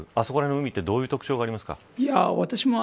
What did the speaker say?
あそこら辺の海どういう特徴がありますか。